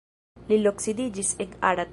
Li loksidiĝis en Arad.